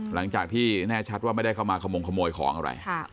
หลังจากที่แน่ชัดว่าไม่ได้เข้ามาขมงขโมยของอะไร